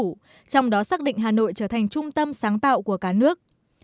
trong đó xác định hà nội trở thành trung tâm sáng tạo của cả nước